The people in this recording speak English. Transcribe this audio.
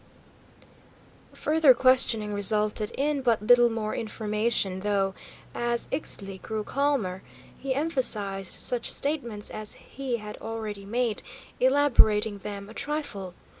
Further questioning resulted in but little more information, though, as Ixtli grew calmer, he emphasised such statements as he had already made, elaborating them a trifle.